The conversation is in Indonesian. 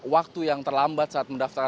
waktu yang terlambat saat mendaftar